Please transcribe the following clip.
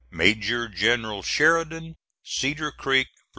MAJOR GENERAL SHERIDAN, Cedar Creek, Va.